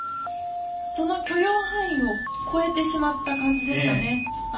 その許容範囲を超えてしまった感じでしたね。